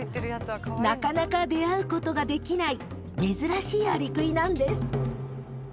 なかなか出会うことができない珍しいアリクイなんです。